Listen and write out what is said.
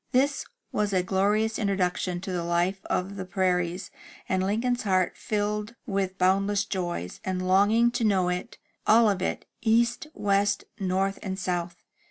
This was a glorious introduction to the life of the prairies, and Lincoln's heart filled with boundless joy, and longing to know it — all of it, east, west, north, and south.